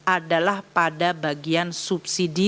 adalah pada bagian subsidi